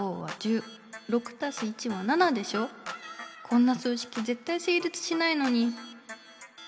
こんな数式ぜったい成立しないのに。